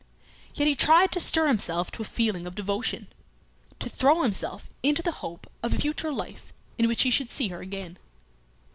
Yet he tried to stir himself to a feeling of devotion, to throw himself into the hope of a future life in which he should see her again.